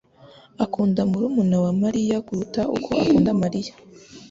akunda murumuna wa Mariya kuruta uko akunda Mariya.